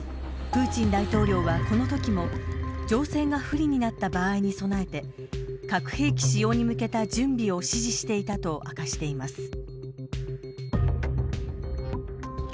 プーチン大統領は、このときも情勢が不利になった場合に備えて核兵器使用に向けた準備を指示していたと明かしています。